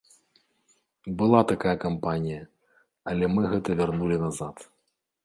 Была такая кампанія, але мы гэта вярнулі назад.